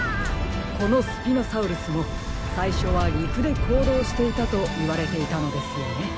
このスピノサウルスもさいしょはりくでこうどうしていたといわれていたのですよね。